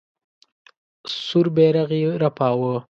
سور بیرغ یې رپاوه.